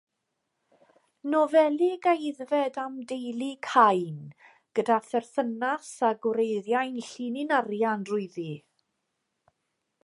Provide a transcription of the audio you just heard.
Nofelig aeddfed am deulu Cain gyda pherthynas a gwreiddiau'n llinyn arian drwyddi.